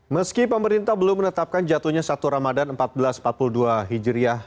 meski pemerintah belum menetapkan jatuhnya satu ramadan seribu empat ratus empat puluh dua hijriah